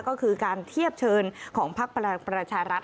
ก็คือการเทียบเชิญของพักพลังประชารัฐ